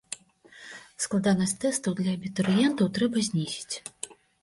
Складанасць тэстаў для абітурыентаў трэба знізіць.